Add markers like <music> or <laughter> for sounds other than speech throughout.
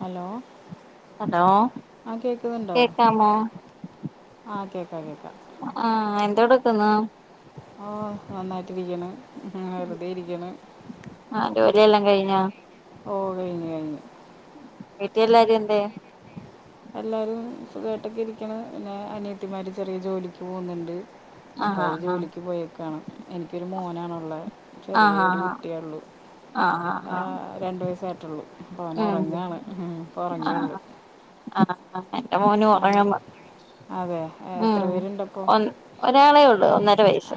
Hello hello ആ കേൾക്കുന്നുണ്ടോ കേക്കാമോ ആ കേക്കാം കേക്കാം ആ എന്തോടുക്കുന്നു ആ നന്നായിട്ടിരിക്കണ് ഇങ്ങനെ വെറുതെ ഇരിക്കണ് ആഹ് <unintelligible> ഓ കഴ്ഞ് കഴ്ഞ് വീട്ട് എല്ലാരും എന്തെയ്യും? എല്ലാരും സുഖായ്ട്ടൊക്കെ ഇരിക്ണ് പിന്നെ അനിയത്തിമാര് ചെറിയ ജോലിക്ക് പോവുന്നുണ്ട് അപ്പ ആഹ് അവര് ആഹ് ജോലിക്ക് പോയേക്കാണ് എനിക്കൊരു മോനാണ് ഉള്ളെ ചെറിയ ആഹ് ഒരു കുട്ടിയെ ഒള്ളു ആഹ് രണ്ട് വയസ്സാ ആഹ് ആഹ് ഉറങ്ങിയുള്ളൂ ആഹ് ആഹ് എന്റെ മോന് അങ്ങനെ ഒറങ്ങ്ന്ന് അതെ എ- എത്ര ഉം പേരുണ്ടപ്പോൾ ഒൻ ഒരാളേ ഒ ഒന്നര വയസ്സ്‌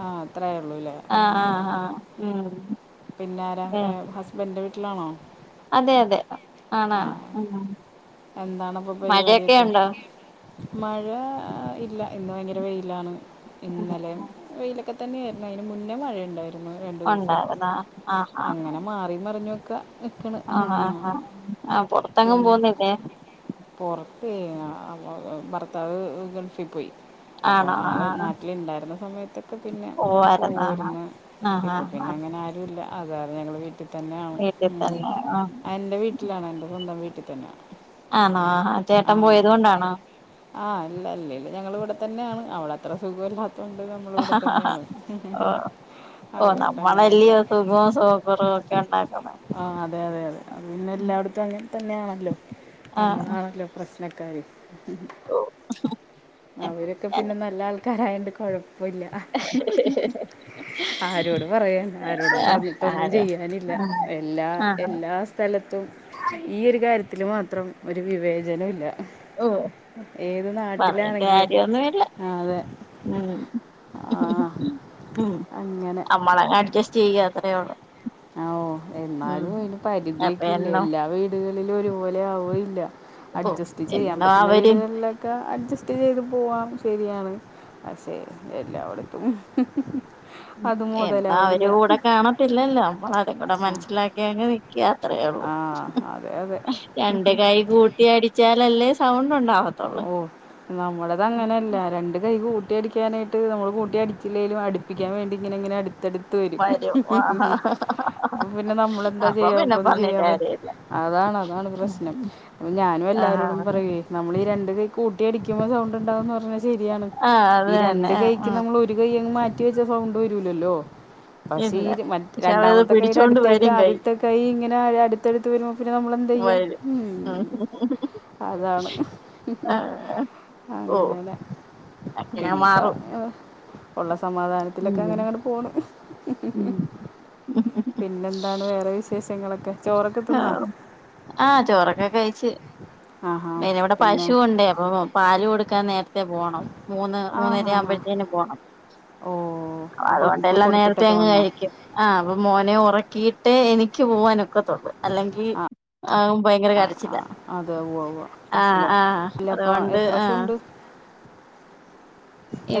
ആ അത്രയേ ഉള്ളൂ അല്ലേ ആഹ് ആഹ് ആ ആഹ് ഉം പിന്നെ ആരാ ഉം ഹസ്ബന്റിന്റെ വീട്ടിലാണോ? അതെ അതെ ആണാണ് ഉം എന്താണ്പ്പൊ മഴയൊക്കെ പരിപാടിയൊക്കെ? ഉണ്ടോ മഴ ഇല്ല ഇന്ന് ഭയങ്കര വെയിലാണ് ഇന്നലേം വെയില ഒക്കെ തന്നെയായിരുന്നു അയ്ന് മുന്നേ മഴയുണ്ടായിരുന്നു രണ്ടുസം ഉണ്ടായിരുന്നോ ആഹ് ആഹ് അങ്ങനെ മാറി മറിഞ്ഞും ആഹ് ആഹ് ആഹ് പൊർത്തെങ്ങും പോവ്ന്നി പൊർത്തേ ഭർത്താവ് ഗൾഫി പോയി അപ്പ ആണോ ആള് ആഹ് നാട്ടില് ഇണ്ടായിരുന്ന സമയ ഇപ്പ പിന്നെ പോവായിരുന്നോ പോയിര്ന്ന് ആഹ് ഇപ്പ ആഹ് പിന്നെ അങ്ങനെ ആരു ഇല്ല അത് കാരണം ഞങ്ങള് പി ട്ട് തന്നെയാണ് വീട്ടിൽ ഉം തന്നെ ആ എന്റെ വീട്ടിലാണ് എന്റെ സ്വന്തം വീട്ടിൽ തന്നെ ആണോ ചേട്ടൻ പോയത് കൊണ്ടാണോ? ഞങ്ങള് ഇവിടെ തന്നെണ് അവടെ അത്ര സുഖല്ലാത്തോണ്ട് നമ്മള് ഇവിടെ തന്നെണ് ഓഹ് നമ്മളല്ലയോ സുഖവും സുഖകോറവും ഒക്കെ ഉണ്ടാക് ആഹ് അതെ അതെ അതെ അത് പിന്നെ എല്ലാട്ത്തും അങ്ങൻ തന്നെയാണല്ലോ ആ നമ്മളാണല്ലോ പ്രശ് നക്കാര് അവരൊക്കെ പിന്നെ നല്ല ആൾക്കാരായോണ്ട് കോ പ്പോല്ല ആരോട് പറയാൻ ആരോടും ആ പറഞ്ഞിട്ടൊന്നും ആരോ ചെയ്യാനില്ല എല്ലാ ആ എല്ലാ സ്ഥലത്തും ഈ ഒരു കാര്യ ത്തിൽ മാത്രം ഒരു വിവേചനോല്ല ഓഹ് പറഞ്ഞിട്ട് നാട്ടിലാണെങ്കിലും കാര്യൊന്നുവില്ല അതെ ഉം ആ, ഉം അങ്ങനെ നമ്മളങ് അഡ്ജസ്റ്റ് ചെയ്യുക അത്രേള്ളൂ ആഹ് ഓഹ് എന്നാലും അയിന് അപ്പൊ പരിധിയൊക്കെ ഇല്ലേ എന്നും എല്ലാ വീടുകളിലും ഒരുപോലെ ആവുവോ ഓ അഡ്ജസ്റ്റ് ചെയ്യാൻ എന്നും പറ്റുന്ന അവര് വീടുകളിലൊക്കെ അഡ്ജസ് റ്റ് ചെയ്ത് പോവാം ശരിയാണ് പക്ഷെ എല്ലായിടത്തും ഉം അത് എന്നു അവരു മുതലാവില്ല കൂടെ കാണത്തില്ലല്ലോ നമ്മൾ അത് കൂടെ മനസ്സിലാക്കിയങ് നിക്ക അത്രേള്ളൂ ആ ആ അതെ അതെ രണ്ട് കൈ കൂട്ടിയടിച്ചാലല്ലേ ഓഹ് നമ്മളത് അങ്ങനെയല്ല രണ്ട് കൈ കൂ ട്ടിയടിക്കാനയിട്ട് നമ്മൾ കൂട്ടിയടിച്ചില്ലെലും അടുപ്പിക്കാൻ വേണ്ടി ഇങ്ങന ഇങ്ങനെ അടി ത്തെടുത്ത് വരും അപ്പ പിന്നെ നമ്മളെന്താ അപ്പൊ ചെയ്യ പിന്നെ നമ്മുക്ക് ഒന്നും പറഞ്ഞിട്ട് ചെയ്യാൻ പറ്റ കാര്യമില്ല അതാണ് അതാണ് പ്രശ്നം അപ്പോ ഞാനും ആഹ് എല്ലാരോടും പറയെ നമ്മൾ ഈ രണ്ട് കൈ കൂട്ടിയടിക്കുമ്പോ സൗണ്ട്ണ്ടാവുന്ന് പറഞ്ഞ ശരിയാണ് ആ അത് ഈ തന്നെ രണ്ട് ആ കൈക്ക് ആ നമ്മൾ ഒരു കൈയങ്ങ് മാറ്റി വെച്ച സൗണ്ട് വരൂലല്ലോ പക്ഷെ ഇല്ല ഈ മറ്റ പക്ഷെ അവരത് രണ്ടാമത്തെ കൈയുടെ പിടിച്ചോണ്ട് അടുത്തേക്ക് വരും ആദ്യത്തെ കൈ ഇങ്ങനെ അടുത്തടുത്ത് വരു മ്പ പിന്നെ നമ്മളെന്തേയ്യാ ഉം അതാണ് ആ ഓ അങ്ങനെ അങ്ങനെ പിന്നെ മാറും പറ ഉള്ള സമാധാനത്തിലൊക്കെ ഉം അങ്ങനെ അങ്ങോട്ട് പോണു ഉം പിന്നെന്താണ് വേറെ വിശേഷങ്ങളൊ ആഹ് ചോറൊക്കെ കഴിച്ച് ആഹാ പിന്നെ ഇവിടെ പിന്നെ പശു ഉണ്ടേ അപ്പൊ പാല് കൊടുക്കാൻ നേരത്തെ പോകണം മൂന്ന് മൂന്നര ആവുമ്പോഴ്ത്തേനും പോണം ഓഹ് അതുകൊണ്ട് എല്ലാം നേരത്തെ അങ്ങ് കഴിക്കും ആഹ് അപ്പൊ മോനെ ഉറക്കിയിട്ട് എനി ക്ക് പോവാനൊക്കത്തുള്ളു അല്ലെങ്കിൽ അവൻ ഭയങ്കര ആ ആ കരച്ചില്ല അതെ ഉവ്വ് ഉവ്വ് ആ കരച്ചിലോ ആ ഇല്ല അപ്പോൾ അതുകൊണ്ട് എത്ര ആ പശുണ്ട്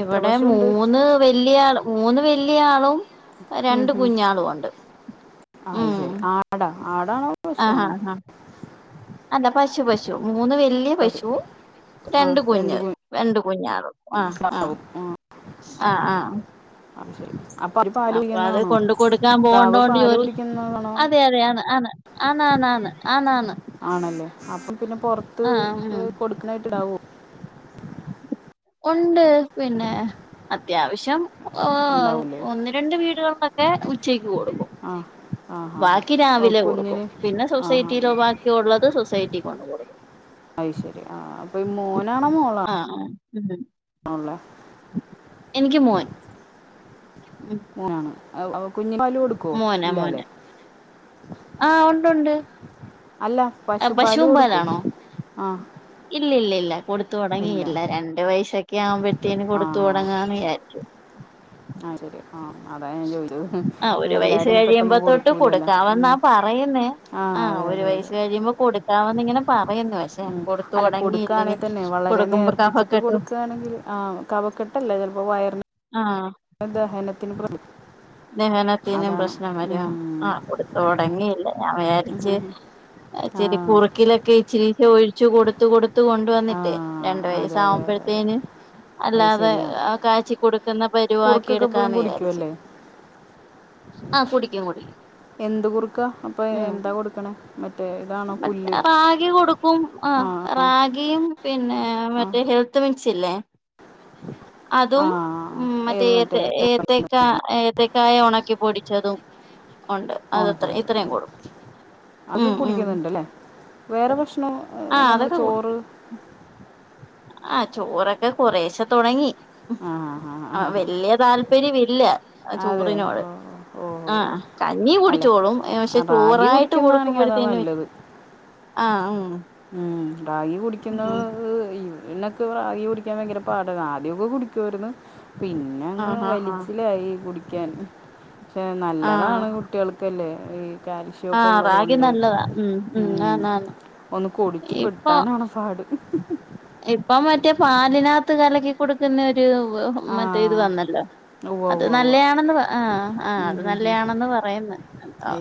എത്ര പശുണ്ട് മൂന്ന് വല്ലേ ആൾ മൂന്ന് വല്ലേ ആളും ഉം, രണ്ട് ഉം. കുഞ്ഞളും ഉണ്ട് ആ ഉം ശരി ആടാ ആടാണോ ആഹ് പശുവാണോ ആഹ് ആഹ് അല്ല പശു പശു മൂന്ന് വലിയ പശു പശുവ രണ്ട് കുഞ്ഞ് രണ്ട് കുഞ്ഞാറും ആ ആ ആ ആ അത് ശരി അപ്പൊ അവര് പാല് അപ്പൊ അത് കുടിക്കുന്നതാണോ കൊണ്ട് കൊൊടുക്കാൻ പ്രാവ് പോകണ്ടോണ്ട് പാല് ജോലി കുടിക്കുന്നതാണോ അതെ അതെയ ആണ് ആണ് ആന്നാന്ന ആന്നാന്ന് ആനാണ് ആണല്ലേ അപ്പം പിന്നെ പുൊറത്ത് ഉം കൊടുക്കുന്നായിട്ട് ഇടാവോ ഉണ്ട് പിന്നെ അത്യാവശ്യം ഉണ്ടാവൂലേ ഒന്ന് രണ്ട് വീടുകളിലൊക്കെ ഉച്ചയ്ക്ക് കൊടുകും ആ ആ ഹാ ഹാ ബാക്കി ഓ രാവിലെ കൊടുക്കും കുഞ്ഞിന് പിന്നെ ആ ഹാ സൊസൈറ്റിയിലോ ബാക്കിയ ഉള്ളത് സൊസൈറ്റി കൊണ്ട് കൊടുക്കും അ യ് ശരി ആ് അപ്പൊ മോനാണോ മോളാണോ ആ ഉം ഉള്ളേ എനിക്ക് മോൻ ഉം മോനാണ് അപ്പോ കുഞ്ഞിന് പാല് കൊടുക്കുവോ ഇല്ലല്ലെ ആ ഉണ്ട് ഉണ്ട് അല്ല പശുപാല് പശുവും കൊടുക്കോ പാാലാണോ ആ ഇല്ല ഇല്ല ഇല്ല കൊടുത്ത ഇല്ല തുടങ്ങിയില്ല രണ്ടു പയസൊക്കെ ആവുമ്പോഴത്തേന് കൊടുത്തു തുടങ്ങന്ന് വിചാരിച്ചു ആശരി ആ അതാ ഞാൻ ചോദിച്ചത് ആഹ് ഒരു വയസ്സ് എല്ലാരുംന പെട്ടന്നും കഴിയുമ്പോ കൊടുക്കൂലല്ലോ ഉ ആ ഒരു വയസ്സ് കഴിയുമ്പോ കൊടുക്കാ മെന്ന് ഇങ്ങനെ പറയുന്നു പക്ഷേ ഉം. കൊടുത്ത് അല്ല ഒടങ്ങിയില്ലിനി കൊടുക്കുകയാണെങ്കിൽ തന്നെ നേർപ്പിച്ചിട്ട് കൊടുക്കാണെങ്കില് ആഹ് കഫക്കെട്ട് അല്ലെ ചെലപ്പം വയറിന് ആഹ് ദഹനത്തിന് പ്ര ദഹനത്തിനും പ്രശ്നം വരാം ഉം. ആ കൊടുത്ത്‌ തൊടങ്ങിയില്ല ഞാൻ ഉം വിചാരിച്ച് ഹും ഹും. ആ ഇച്ചിരി കുറുക്കിലൊക്കെ ഇച്ചിരീച്ചെ ഒഴി ച്ചു കൊടുത്തു കൊടുത്തു കൊണ്ട് ആ വന്നിട്ടേയ് രണ്ട് അതെ അതെ അതെ അതെ വയസ്സാവുമ്പഴത്തേന് അത് അല്ലാതെ ശരിയാണ് കാച്ചി കൊടുക്കുന്ന പരുവാക്കി കുറുക്കൊക്കെ എപ്പോഴും എടുക്കാന്ന് വിചാരിച്ചു കുടിക്കുമല്ലേ ആ കുടിക്കും കുടിക്കും എന്ത് കുറുക്ക അപ്പൊ ഉം എന്താ കൊടുക്കണേ മറ്റ് റാഗി കൊടുക്കും ആ റാഗി ഗിയും പിന്നെ ആ മറ്റേ ഹെൽത്ത് മിക്‌സ് ഇല്ലേ ആ അതും ഉം മറ്റേ ഏ ഏത്തക്ക ഏത്തക്കായ ഒണക്കി പൊടിച്ചതും ഒണ്ട് അത് ഒണക്കി അത്ര പൊടിച്ചതും ഇത്രയും ആഹ് കൊടുക്കും അത് ഉം ഉം കുടിക്കുന്ന ണ്ട്ല്ലേ വേറെ ഭക്ഷണം ആ നമ്മള് അതൊക്കെ കുടിക്കും ചോറ് ആഹ് ചോറൊക്കെ കൊറേശെ തൊടങ്ങി ഉം ആ വല്യ താല്പര്യവില്ല ആ അതെ ചോറിനോട് ഓ ഓ ഓ. ആഹ് കഞ്ഞി അല്ല കുടിച്ചോളും പക്ഷെ റാഗി ചോറായിട്ട് കുടിക്കുന്നതാണെങ്കിൽ അതാ കൊടുക്കുമ്പോഴത്തേന് നല്ലത് ആ ഉം ഉം റാഗി കുടിക്കുന്നത് ഉം ഹ് ഇന്നൊക്കെ റാഗി കുടിക്കാൻ ഭയങ്കര പാടയിരുന്നു ആദ്യോക്കെ കുടിക്കുവായിരുന്നു പിന്നങ്ങ് ആഹ് ആഹ് വലിച്ചിലായി കുടിക്കാൻ പക്ഷെ ആഹ് നല്ലതാണ് ആഹ് കുട്ടികൾക്കല്ലേ ഈ കാൽശ്യോക്കെ ആഹ് ഒള്ളത് റാഗി കൊണ്ടെയ് നല്ലതാ ഉം ഉം ആന്ന് ആന്ന് ഒന്ന് കുടിച്ച് കിട്ടാനാണ് പാട് ഇപ്പം മറ്റേ പാലിനകത്ത് കലക്കി കൊടുക്കുന്ന ഒരു ആ മറ്റേ ഇത് വന്നല്ലോ ഉവ്വ അത് ഉവ്വ ഉവ്വ നല്ലയാണെന്ന് ആ ആ ഉം അത് ഹും ഹും നല്ലയാണെന്ന് പറയുന്നു എന്തോ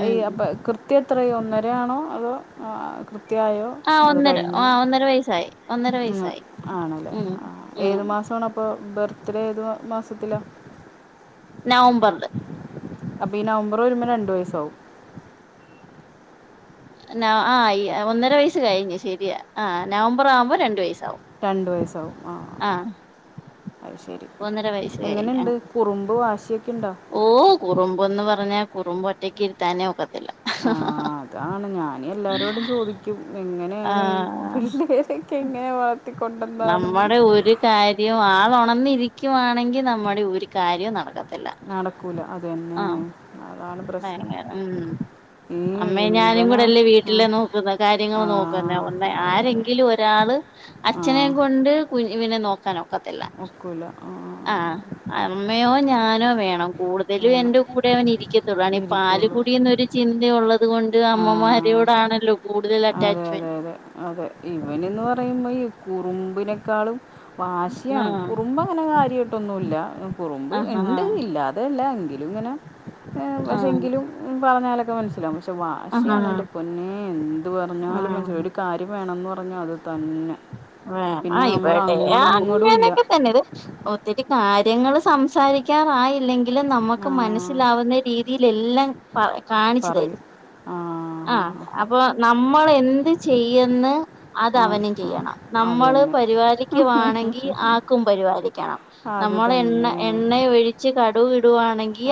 അയ് അപ്പ കൃത്യം എത്രായി ഒന്നരയാണോ അതോ ആ കൃ ത്തിയായോ ആഹ് അത് ഒന്നര കഴിഞ്ഞോ ആഹ് ഒന്നര വയസ്സായി ഒന്നര ഉം വയസ്സായി ആണ്ലെ ഉം ആ ഉം ഏത് മാസം ആണ് അപ്പൊ ബർത്ത്ഡേ ഏത് മാ മാസത്തിലാ? നവംബെർൽ അപ്പ ഈ നവംബെർ വെരുമ്പോ രണ്ട് വയസ്സാവും നാ ആ ഈ ഒന്നര വയസ്സ് കഴിഞ്ഞ് ശരിയാ ആ നവംബെർ ആവുമ്പോ രണ്ട് വയസ്സാവും രണ്ട് വയസ്സാവും ആഹ് അയ് ശരി. ഒന്നര വയസ്സ് എങ്ങനെ കഴിഞ്ഞ് ഇണ്ട് ആഹ് കുറുമ്പ് വാശി ഓ കുറുമ്പൊന്ന് പറഞ്ഞാ കുറുമ്പ് ഒറ്റയ്ക്ക് ഇരുത്താനേ ഒക്ക ആ അതാണ് ഞാന് എല്ലാരോടും ചോദിക്കും എങ്ങനെയാണ് ഈ ആഹ് പിള്ളെരെയൊക്കെ എങ്ങനെ വളെർത്തിക്കൊണ്ടന്നെന്ന് അത് ഒണന്നിരിക്കുവാണെങ്കി നമ്മുടെ ഒരു കാര്യവും നടക്ക നടക്കൂലാ അത് യെന്നെ അതാണ് പ്രശ്നം ഈ അമ്മെയും ഞാനും ഇവനെ കൂടെ അല്ലെ ആ വീട്ടിൽ നോക്ക്ന്നെ കാര്യങ്ങൾ ആ നോക്ക് ന്നെ ഒന്ന് അതെ അതെ ആരെങ്കിലും ഒരാൾ ആ അച്ഛനെ കൊണ്ട് കുഞ്ഞിവിനെ നോക്കാന് ഒ ക്കത്തില്ല ഒക്കില്ല ആഹ് അമ്മയോ ഞാനോ വേണം കൂട്തെലും വേണം എന്റെ കൂടെ അവൻ ഇരിക്കത്തൊള്ളു ആണ് ഈ പ പാൽ ഇരിക്കുകയുള്ളൂ കുടി എന്നൊരു ചിന്ത ഒള്ളെത് കൊണ്ട് ആ അമ്മമാരോടാണല്ലോ കൂട്തെൽ അറ്റാ അതെ അതെ അതെ അതെ ഇവെൻന്ന് പറയിമ്പോ ഈ കുറുമ്പിനേക്കാളും വാശിയാണ് ആഹ് കുറുമ്പ് അങ്ങനെ കാര്യയിട്ടൊന്നുയില്ല കുറുമ്പ് ആഹ് ഇണ്ട് ആഹ് ഇല്ലാതെയല്ല എങ്കിലും ഇങ്ങനെ ഏഹ് പക്ഷെ എങ്കിലും പറഞ്ഞാലൊക്കെ മനസ്സിലാവും പക്ഷെ ട്ട് ആഹ് വാശിയാണ് ആഹ് എൻ്റെ പൊന്നെ എന്ത് പറഞ്ഞാലും മൻസ് ഒര് കാര്യം വേണംന്ന് പറഞ്ഞാ അത് തന്നെ വേണം ആ പിന്നെ നമ്മൾ ഇവെടെ അങ്ങോട്ടും ഇങ്ങോട്ടും ഇല്ല അങ്ങനെയൊക്കെ തന്നെ ഒത്തിരി കാര്യങ്ങള് സംസാരിക്കാറായില്ലെങ്കിലും നമുക്ക് ആ മനസ്സിലാവുന്ന രീതിൽെല്ലാം പറ കാണിച്ചു തരും പറയും ആ ആ ഹാ ഹാ ഹാ അപ്പൊ നമ്മൾ എന്ത് ചെയ്യന്ന് അത് ആ അവനും ആ ചെയ്യണം അത് നമ്മള് തന്നെ പരിപാലിക്കവാണെങ്കിൽ ആക്കും പരിപാലിക്കണം അത് നമ്മള എണ്ണ എണ്ണ ഒഴിച്ച് കടു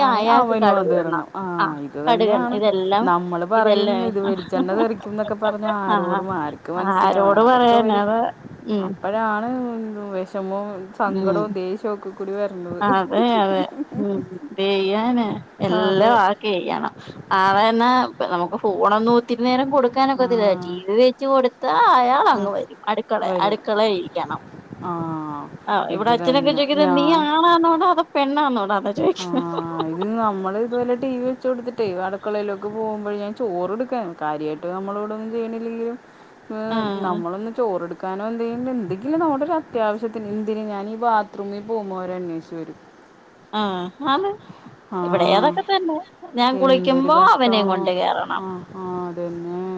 ആണെ അവന വതരണം ആഹ ആഹ് ഇത് കടുകെണ്ണ തന്നെയാണ് ഇതെല്ലാം നമ്മള് പറയും ഇതെല്ലാം ഇത് ടിച്ചെണ്ണ കെറിക്കുംൊക്കെ പറഞ്ഞ ആഹ് ആരോടും ആർും മനസില ആരോട് പറയാനാ അതൊക്കെ അതാ ഉം അപ്പോഴാണ് വിഷമവും ഉം സങ്കടവും ദേഷ്യവും ഒക്കെ കൂടി വരുന്നത് അതെ അതെ ഉം ചെയ്യാന് അതെ എല്ലാം ആക്കി ചെയെയ്യണം ആളന്നാ അപ്പ നമുക്ക് ഫോണൊന്നും ഒത്തിരി നേരം ആ, കൊടുക്കാനൊക്കത്തില്ല ടി വി വെച്ച് കൊടുത്താ അയാൾ ആ, അങ് വരും അള വരും അടുക്കളായിരിക്കണം ആ ആഹ് ഇവിടെ ഇത് അഛനക്ക തന്നെ ചോദിക്കത് നീ ഞാൻ ആളാന്നോണ്ടോ അത പെണ്ണന്നോണ്ടോ ആ ഇത് നമ്മള് ഇതുപോല ടി വി വച്ച കൊടുത്തിട്ടേ അടക്കളയിലൊക്കെ പോകുമ്പോ ഞാൻ ചോറ്ടുക്കൻ കാര്യമായിട്ട് നമ്മളോവിടന്നും ചെയ്യണില്ലെിലും ആഹ് നമ്മളൊന്ന് ചോറെടുക്കാനോ എന്ത ചെയ്യ എന്തെങ്കിലും നമ്മുടെ അത്യാവശ്യത്തിന് എന്തിനന് ഞാൻ ഈ ബാത്റൂമിൽ പോകുമ്പോര അന്വേഷിച്ചു വരും ആഹ് ആന്ന്- ആ ഇവിടെ ഏതൊക്കെ തന്നെ ഞാൻ എന്തൊരു കുളിക്കുമ്പോ അവനെയും കൊണ്ട് കേയറണം പിന്നെ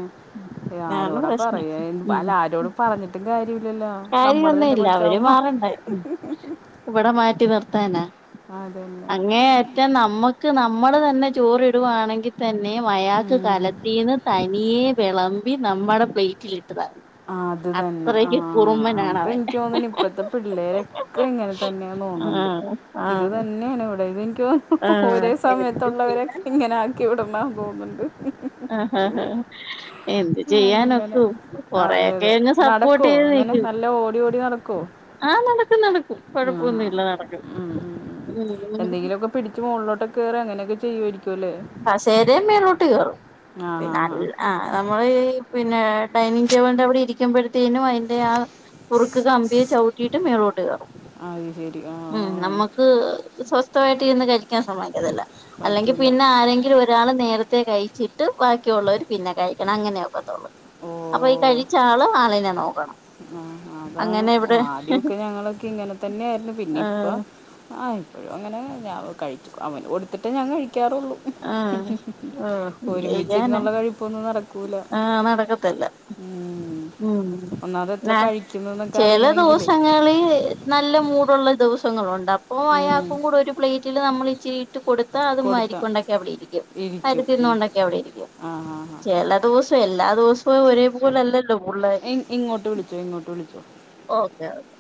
ആരോടാ പ്രശ്നം പറയാല്ല ആരോട പറഞ്ഞിട്ടും കാര്യ കാര്യൊന്നും ഇല്ല അവര് മാറണ്ട ഇവിടെ മാറ്റി നിർത്താനാ അതന്നെ അങ്ങേറ്റാ നമ്മക്ക് നമ്മള് തന്നെ ചോറിടുകവാണെങ്കിൽ തന്നെ മയാക്ക് ഉം. കാലത്തിൽന്ന് തനിയെ വിളമ്പി നമ്മുടെ പ്ലേറ്റിലി ആ അത് തന്നെ ആഹ ആഹ കുറുമ്പനാണ് അപ്പൊ അവൻ എനിക്ക് തോന്ന ഇപ്പത്തെ പിള്ളേരൊക്കെ എങ്ങനെ തന്നെയ തോന്നുന്നുണ്ട് ആഹ് ഇത് ആഹ് തന്നെയാണ് ഇവിടെ ഇത് ഒും ആഹ് ഒരേ എന്ത് സമയത്തുള്ളവരെക്കെ ചെയ്യാൻ ഇങ്ങനെ ആക്കി വിടങ്ങാൻ പോകുന്നുണ്ട് ആഹ് ആ ആ എന്ത് അങ്ങനെ ചെയ്യാനൊക്കും അതെ കൊറെയൊക്കെ അതെ എന്നെ സപ്പോർട്ട് നടക്കോ ചെയ്ത് അങ്ങനെ നിക്കും നല്ല ഓടി ഓടി നടക്കോ ആഹ് നടക്കും നടക്കും കൊഴപ്പൊന്നും ഇല്ല നടക്കും ഉം, ഉം. ഉം എന്തെങ്കിലുമൊക്കെ പിടടിച്ച് മുകളിലോട്ടൊെ കയറി അങ്ങനെയൊക്കെ ചെയ്യുമായിരിക്കും അല്ലേ ബ ശേരയും മേളോട്ട് കേയറും ആ ഹാ പിന്നെ ഹാ അല്ല ആ നമ്മള് ഈ പിന്നെ ഡൈനിങ് ടബിന്റെവിടെ ഇരിക്കുമ്പഴ ത്തേനും അതിൻന്റെ ആ ഉറുക്ക് കമ്പിയെ ചവിട്ടിയിട്ട് മേളോട്ട് കയറും അത് ശരി ആ ഉം നമുക്ക് സ്വസ്ഥ- സ്വസ്ഥായിട്ട് ഇരുന്ന് കഴിക്കാൻ ശ്രമിക്കല്ല അല്ലെങ്കിൽ പറ്റൂല പിന്നെ ആരെങ്കിലും ഒരാള് നേര നേരത്തെ കഴിച്ചിട്ട് ബാക്കിയുള്ള ഒരു പിന്നെ കഴിക്കണം അങ്ങനെയൊക്കെത്തുള്ളു അപ്പൊ ഈ കഴിച്ച ആള് ആളിനെ നോക്കും ആഹ അതാണ് ആദ്യൊക്കെ ഞങ്ങളൊക്കെ ഇങ്ങനെ തന്നെയ ആായിരുന്നു പിന്നെ ഇപ്പ ആഹ് ആ ഇപ്പോഴും അങ്ങനെ ഞ കഴിച്ചു അവന് കൊടുത്തിട്ടേ ഞാൻ കഴിക്കാറുള്ളൂ ആഹ ചെയ്യാന ഒരുമിച്ചിരുന്നുള്ള കഴിപ്പൊന്നും നടക്കൂല ആഹ നടക്കത്തില്ല ഉം. ഉം ഒന്നാമത് എത്ര കഴിക്കുന്നു എന്നൊക്കെ ചില അറിയണമെങ്കിലേ ദിവസങ്ങളിൽ നല്ല മൂടുള്ള ദിവസങ്ങളുണ്ട് അപ്പം ഉം. അയാക്കും കൂടെ ഒരു പ്ലേറ്റിൽ നമ്മൾ ഇച്ചിരി ഇട്ട് കൊടുത്താൽ അത് കൊടുത്ത മരിക്കും ണ്ടാക്കി അവിടെ ഇരിക്കും ഇരിക്കും കാര്ത്തിൽ നിന്ന് ഉം. കൊണ്ടാക്കെ അവിടെയിരിക്കും ആ ആ ആ ചില ദിവസം എല്ലാ ദിവസവും ഒരേപോലെ അല്ലല്ലോ പള്ളോര് ഇ- ഇങ്ങോട്ട് വിളിച്ചോ ഇങ്ങോട്ട് വിളിച്ചോ ഓക്കെ ഓക്കെ